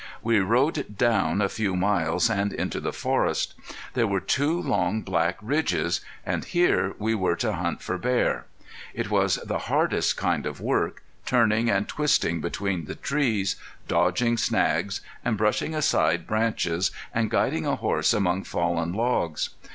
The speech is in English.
We rode down a few miles, and into the forest. There were two long, black ridges, and here we were to hunt for bear. It was the hardest kind of work, turning and twisting between the trees, dodging snags, and brushing aside branches, and guiding a horse among fallen logs.